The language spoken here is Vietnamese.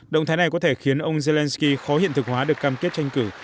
động thái này có thể khiến ông zelensky khó hiện thực hóa được cam kết tranh cử